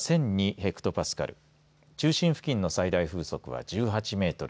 ヘクトパスカル中心付近の最大風速は１８メートル